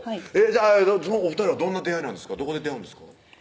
お２人はどんな出会いなんですかどこで出会うんですか？